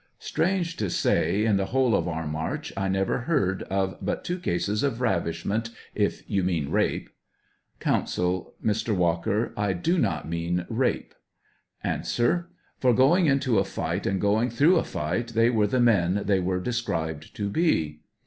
Strange to say, in the whole of our march I,never heard of but two cases of ravishment, if you mean rape. Counsel, Mr. Walker. 1 do not mean rape. A. For going into a fight and going through a fight, they were the men they are described to be.